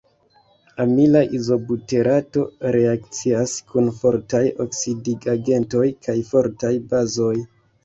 Amila izobuterato reakcias kun fortaj oksidigagentoj kaj fortaj bazoj.